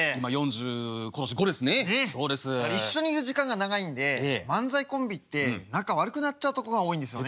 一緒にいる時間が長いんで漫才コンビって仲悪くなっちゃうとこが多いんですよね。